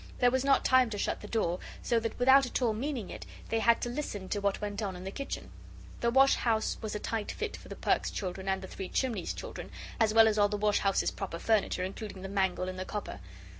There was not time to shut the door, so that, without at all meaning it, they had to listen to what went on in the kitchen. The wash house was a tight fit for the Perks children and the Three Chimneys children, as well as all the wash house's proper furniture, including the mangle and the copper.